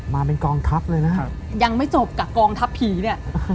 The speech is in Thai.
มาเป็นกองทัพเลยนะครับยังไม่จบกับกองทัพผีเนี่ย